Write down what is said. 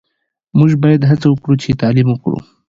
موژ باید هڅه وکړو چی تعلیم وکړو